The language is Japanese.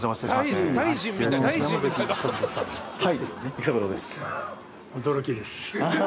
育三郎です。